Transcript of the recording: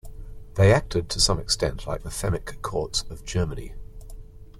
They acted to some extent like the Fehmic courts of Germany.